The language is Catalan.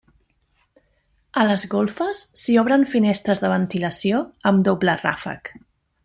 A les golfes s'hi obren finestres de ventilació amb doble ràfec.